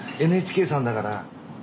ＮＨＫさんだから。